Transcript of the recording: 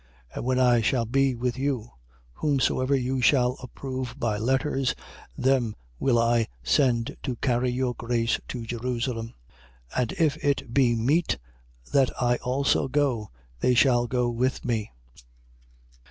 16:3. And when I shall be with you, whomsoever you shall approve by letters, them will I send to carry your grace to Jerusalem. 16:4. And if it be meet that I also go, they shall go with me.